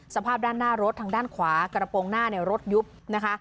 สภาพด้านหน้ารถทางด้านขวากระโปรงหน้าเนี่ยรถยุบนะคะ